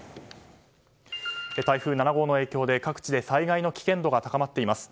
台風７号の影響で各地で災害の危険度が高まっています。